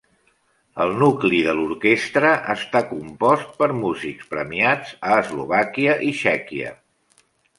El nucli de l'orquestra està compost per músics premiats a Eslovàquia i Txèquia.